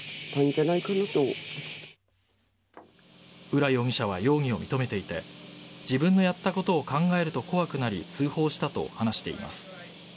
浦容疑者は容疑を認めていて自分のやったことを考えると怖くなり通報したと話しています。